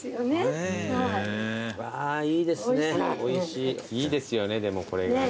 いいですよねでもこれがね